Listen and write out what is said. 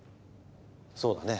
そうだね。